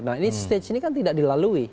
nah ini stage ini kan tidak dilalui